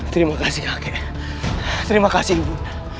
terima kasih akhirnya terima kasih ibu